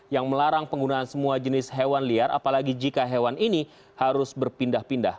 yang melarang penggunaan semua jenis hewan liar apalagi jika hewan ini harus berpindah pindah